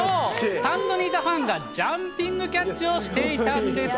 スタンドにいたファンがジャンピングキャッチをしていたんです。